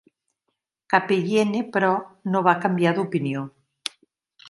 Kappeyene, però, no va canviar d'opinió.